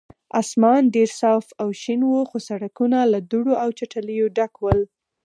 اسمان ډېر صاف او شین و، خو سړکونه له دوړو او چټلیو ډک ول.